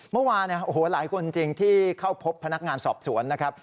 เมื่อวานหลายคนจริงที่เข้าพบพนักงานสอบสวนนะครับ